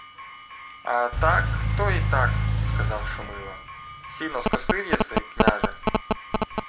— А так — то й так, — сказав Шумило. — Сіно скосив єси, княже?